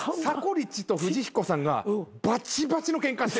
リッチと富士彦さんがバチバチのケンカして。